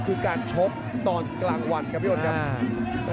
คือการชกตอนกลางวันครับพี่อ้นครับ